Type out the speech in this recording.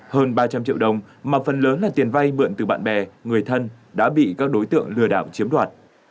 hơn ba trăm linh triệu đồng mà phần lớn là tiền vay mượn từ bạn bè người thân đã bị các đối tượng lừa đảo chiếm đoạt